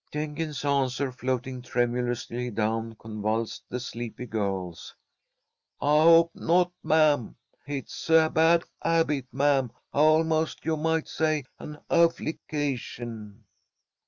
Jenkins's answer, floating tremulously down, convulsed the sleepy girls: "Hi 'ope not, ma'am. Hit's a bad 'abit, ma'am, halmost, you might say, han haffliction."